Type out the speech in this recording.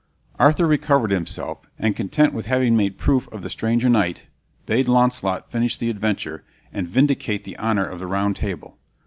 Arthur recovered himself, and content with having made proof of the stranger knight bade Launcelot finish the adventure, and vindicate the honor of the Round Table.